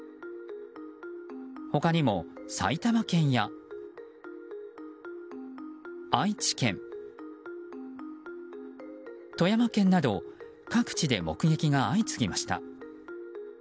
他にも、埼玉県や愛知県富山県など各地で目撃が相次ぎました。